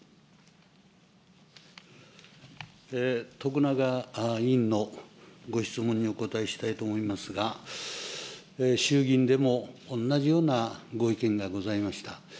徳永委員のご質問にお答えしたいと思いますが、衆議院でも同じようなご意見がございました。